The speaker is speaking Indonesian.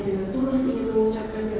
dengan tulus ingin mengucapkan